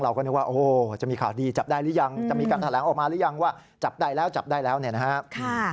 แล้วบอกว่าจะมีการแถลงออกมารึยังว่าจับได้แล้วนะครับ